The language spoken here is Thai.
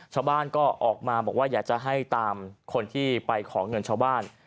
ชาวบ้านก็ออกมาบอกว่าอยากจะให้ตามคนที่ไปขอเงินชาวบ้าน